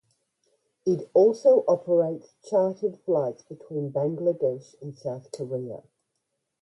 It also operates chartered flights between Bangladesh and South Korea.